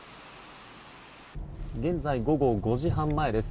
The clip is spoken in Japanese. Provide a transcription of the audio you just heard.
現在、午後５時半前です。